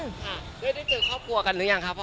อเจมส์เขาได้เจอครอบครัวกันหรือยังคะพ่อแม่